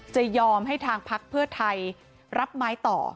จะยอมให้ทางพักเพื่อไทยรับไม้ต่อ